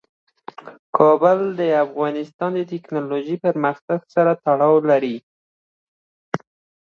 کابل د افغانستان د تکنالوژۍ پرمختګ سره تړاو لري.